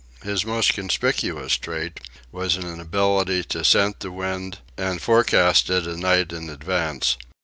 His most conspicuous trait was an ability to scent the wind and forecast it a night in advance.